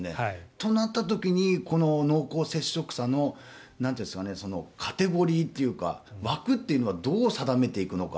となった時に濃厚接触者のカテゴリーというか枠というのはどう定めていくのか。